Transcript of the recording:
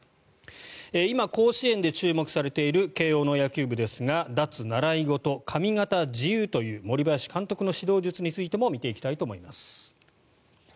今、甲子園で注目されている慶応の野球部ですが脱習い事、髪形自由という森林監督の指導術についても見ていきたいと思います。